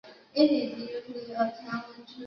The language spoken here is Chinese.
卢皮阿克。